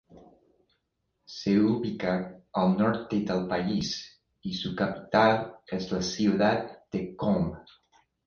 Se ubica al norte del país, y su capital es la ciudad de Qom.